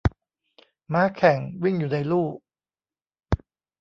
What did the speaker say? ม้าแข่ง วิ่งอยู่ในลู่